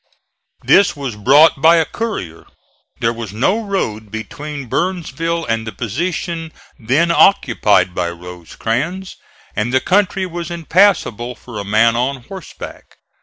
This was brought by a courier. There was no road between Burnsville and the position then occupied by Rosecrans and the country was impassable for a man on horseback.